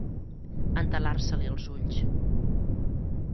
Entelar-se-li els ulls.